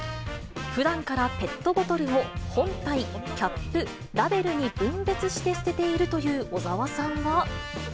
ふだんからペットボトルを、本体、キャップ、ラベルに分別して捨てているという小沢さんは。